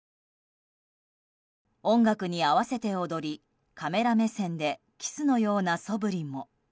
音楽に合わせて踊りカメラ目線でキスのようなそぶりも。